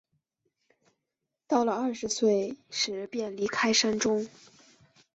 到了二十岁时便离开山中。